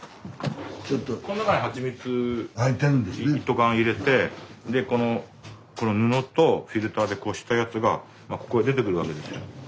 この中にハチミツ一斗缶入れてこの布とフィルターでこしたやつがここへ出てくるわけです。